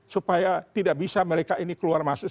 supaya tidak bisa mereka ini keluar masuk